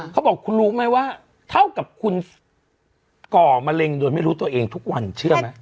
เขาบอกคุณรู้ไหมว่าเท่ากับคุณก่อมะเร็งโดยไม่รู้ตัวเองทุกวันเชื่อไหม